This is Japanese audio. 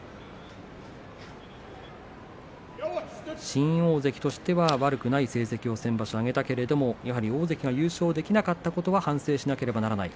新大関としては悪くない成績を先場所挙げたけれどもやはり大関が優勝できなかったことを反省しなければならない。